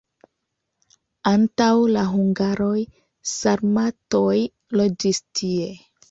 Antaŭ la hungaroj sarmatoj loĝis tie.